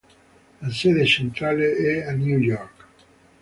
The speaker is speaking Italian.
La sede centrale è a New York.